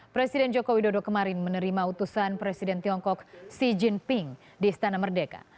presiden joko widodo kemarin menerima utusan presiden tiongkok xi jinping di istana merdeka